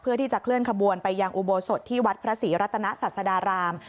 เพื่อที่จะเคลื่อนขบวนไปยังอุโบสถที่วัดพระศรีรัตนศาสดาราม